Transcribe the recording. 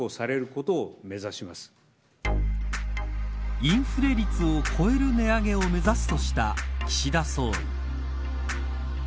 インフレ率を超える値上げを目指すとした岸田総理。